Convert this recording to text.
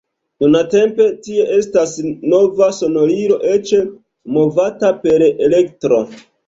Nuntempe tie estas nova sonorilo, eĉ movata per elektro.